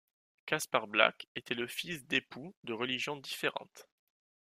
Kaspar Black était le fils d'époux de religions différentes.